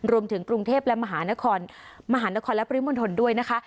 รวมถึงกรุงเทพและมหานครมหานครและปริมณฑลด้วยนะคะ